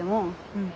うん。